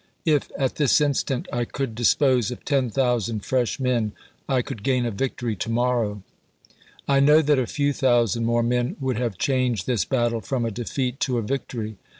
If, at this instant, I could dispose of ten thousand fresh men, I could gain a victory to morrow. I know that a few thousand more men would have changed this battle from a defeat to a victory.